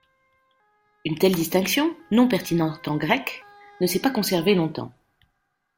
Une telle distinction, non pertinente en grec, ne s'est pas conservée longtemps.